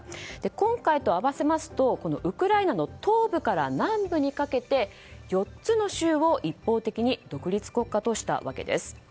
今回と合わせますとウクライナの東部から南部にかけて４つの州を一方的に独立国家としたわけです。